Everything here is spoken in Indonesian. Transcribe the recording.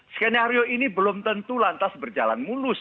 skenario ini belum tentu lantas berjalan mulus